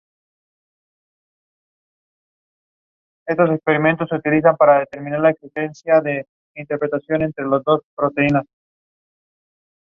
Dicha casa poseía numerosas habitaciones, patios, y salones.